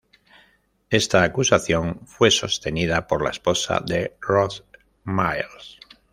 Esta acusación fue sostenida por la esposa de Rud Mills.